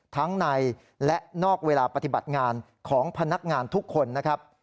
ทั้งในและนอกเวลาปฏิบัติงานของพนักงานทุกคนนะครับ